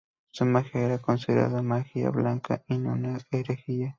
Su magia era considerada magia blanca y no una herejía.